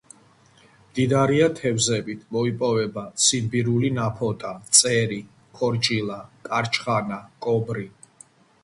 მდიდარია თევზით, მოიპოვება: ციმბირული ნაფოტა, წერი, ქორჭილა, კარჩხანა, კობრი.